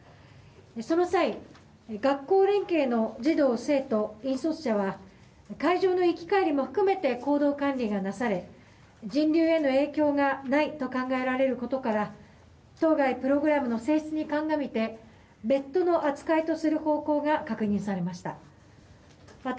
その際、学校連携の児童・生徒引率者は会場の行き帰りも含めて行動管理がなされ人流への影響がないと考えられることから当該プログラムの性質に鑑みて別途の扱いとする方向が確認されました。